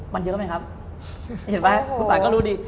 มันเยอะไหมครับเห็นไหมคุณป่าก็รู้ดี